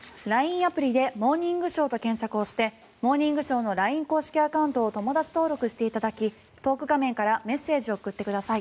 アプリで「モーニングショー」と検索をして「モーニングショー」のＬＩＮＥ公式アカウントを友だち登録していただきトーク画面からメッセージを送ってください。